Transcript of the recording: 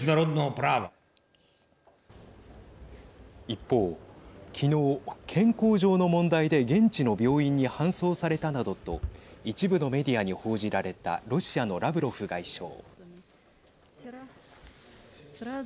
一方、昨日、健康上の問題で現地の病院に搬送されたなどと一部のメディアに報じられたロシアのラブロフ外相。